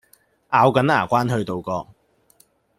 咬緊牙關去渡過